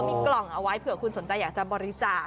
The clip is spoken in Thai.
มีกล่องเอาไว้เผื่อคุณสนใจอยากจะบริจาค